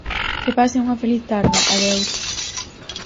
Que pasen unha feliz tarde, adeus.